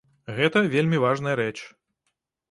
Гэта вельмі важная рэч.